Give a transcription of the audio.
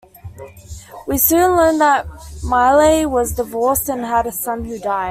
We soon learn that Milay was divorced and had a son who died.